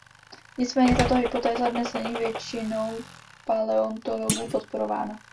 Nicméně tato hypotéza dnes není většinou paleontologů podporována.